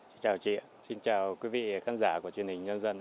xin chào chị ạ xin chào quý vị khán giả của chương trình nhân dân